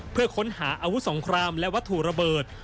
เพื่อค้นหาอาวุธสงครามและวัตถุระเบิด